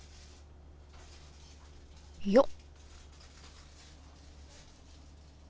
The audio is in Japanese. よっ。